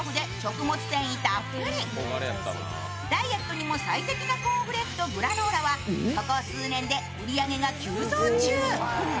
ダイエットにも最適なコーンフレークとグラノーラはここ数年で売り上げが急増中。